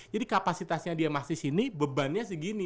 jadi kapasitasnya dia masih sini bebannya segini